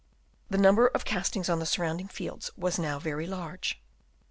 The number of castings on the surrounding fields was now very large.